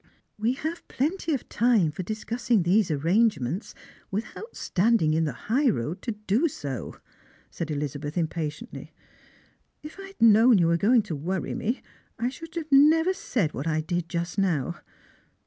" We have plenty of time for discussing these arrangements, without standing in the high road to do so," said Elizabeth im patiently. " If I had known you were going to worry me, I should never have said what I did just now.